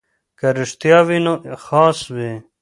که رښتیا وي نو خاص وي.